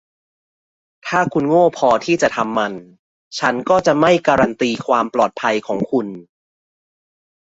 ถ้าคุณโง่พอที่จะทำมัน ฉันก็จะไม่การันตีความปลอดภัยของคุณ